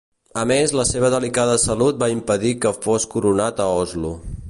A més, la seva delicada salut va impedir que fos coronat a Oslo.